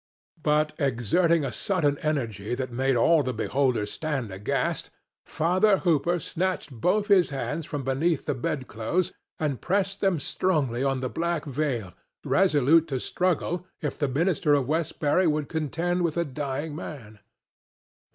But, exerting a sudden energy that made all the beholders stand aghast, Father Hooper snatched both his hands from beneath the bedclothes and pressed them strongly on the black veil, resolute to struggle if the minister of Westbury would contend with a dying man.